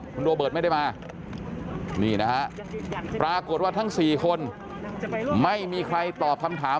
คุณโรเบิร์ตไม่ได้มานี่นะฮะปรากฏว่าทั้ง๔คนไม่มีใครตอบคำถาม